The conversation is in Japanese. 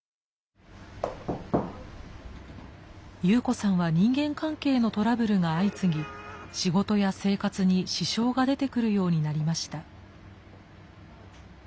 ユウコさんは人間関係のトラブルが相次ぎ仕事や生活に支障が出てくるようになりました。